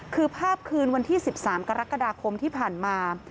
คือภาพคืนวันที่๑๓กรกฎาคมที่ผ่านมา